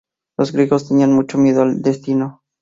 Los griegos tenían mucho miedo al destino.